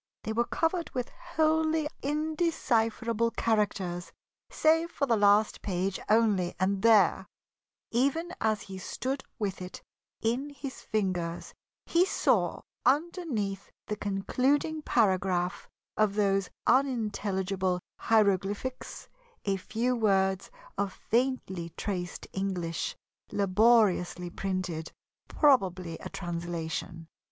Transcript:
They were covered with wholly indecipherable characters save for the last page only, and there, even as he stood with it in his fingers, he saw, underneath the concluding paragraph of those unintelligible hieroglyphics, a few words of faintly traced English, laboriously printed, probably a translation.